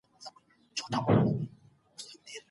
تاسو به د یو پیاوړي انسان په توګه پیژندل کیږئ.